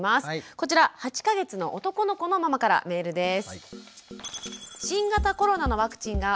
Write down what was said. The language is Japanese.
こちら８か月の男の子のママからメールです。